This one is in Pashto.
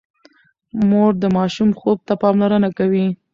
مور د ماشوم خوب ته پاملرنه کوي۔